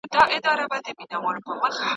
د خلکو هيلې يې په نظر کې نيولې.